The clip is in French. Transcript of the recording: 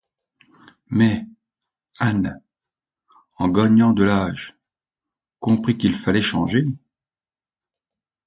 Mais, Anne, en gagnant de l'âge, comprit qu'il fallait changer.